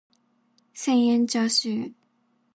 千円チャーシュー